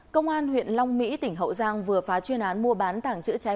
công an huyện long mỹ tỉnh hậu giang vừa phá chuyên án mua bán tảng chữ trái phép